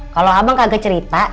kalau abang kagak cerita